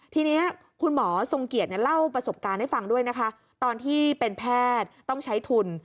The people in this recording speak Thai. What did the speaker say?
ทีนี้คุณหมอทรงเกียจเล่าประสบการณ์ให้ฟังด้วยนะคะตอนที่เป็นแพทย์ต้องใช้ทุน